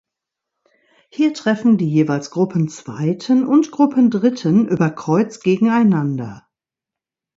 Hier treffen die jeweils Gruppenzweiten und Gruppendritten über kreuz gegeneinander.